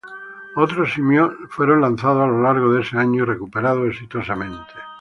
Otros simios fueron lanzados a lo largo de ese año y recuperados exitosamente.